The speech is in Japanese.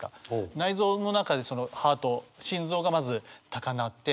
内臓の中でそのハート心臓がまず高鳴って。